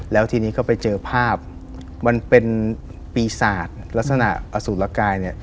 แล้วทีนี้เขาไปเจอภาพมันเป็นปีศาจลักษณะอสูตรกาย